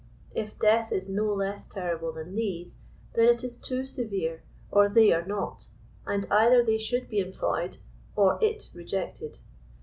If death is no less terrible than these, then it is too severe or they are not, and either they should be employed or it rejected.